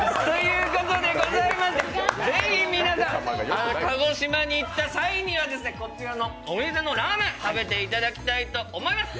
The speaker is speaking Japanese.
ぜひ皆さん、鹿児島に行った際にはこちらのお店のラーメン食べていただきたいと思います。